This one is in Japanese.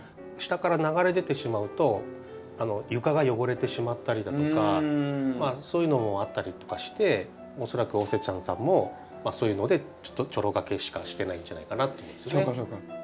下から流れ出てしまうと床が汚れてしまったりだとかそういうのもあったりとかして恐らくオセちゃんさんもそういうのでちょろがけしかしてないんじゃないかなと思いますね。